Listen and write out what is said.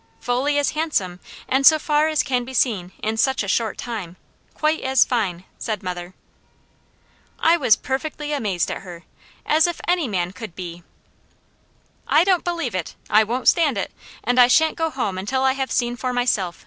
"Fully as handsome, and so far as can be seen in such a short time, quite as fine," said mother. I was perfectly amazed at her; as if any man could be! "I don't believe it, I won't stand it, and I shan't go home until I have seen for myself!"